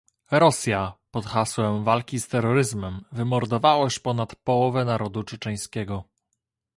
Rosja, pod hasłem walki z terroryzmem, wymordowała już ponad połowę narodu czeczeńskiego